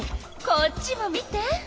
こっちも見て！